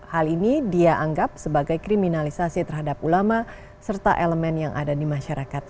hal ini dia anggap sebagai kriminalisasi terhadap ulama serta elemen yang ada di masyarakat